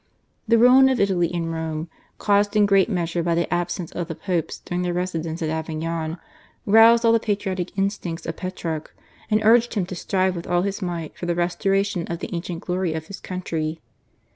The ruin of Italy and Rome, caused in great measure by the absence of the Popes during their residence at Avignon, roused all the patriotic instincts of Petrarch, and urged him to strive with all his might for the restoration of the ancient glory of his country.